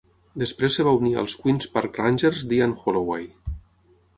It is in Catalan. Després es va unir als Queens Park Rangers d'Ian Holloway.